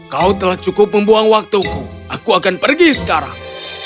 kau telah cukup membuang waktuku aku akan pergi sekarang